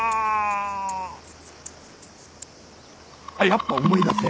やっぱ思い出せん。